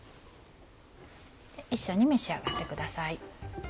一緒に召し上がってください。